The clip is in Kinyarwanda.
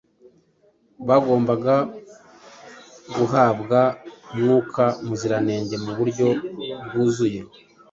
Bagombaga guhabwa Mwuka Muziranenge mu buryo bwuzuye,